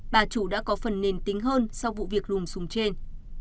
bà chủ đã có phần nền tính hơn sau vụ việc lùm súng trên